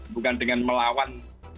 bukan dengan melawan